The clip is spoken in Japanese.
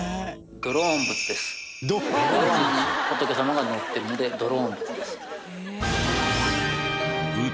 ドローンに仏様が乗っているのでドローン仏です。